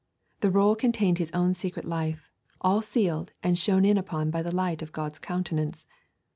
The roll contained his own secret life, all sealed and shone in upon by the light of God's countenance.